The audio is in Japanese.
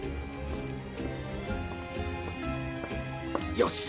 よし！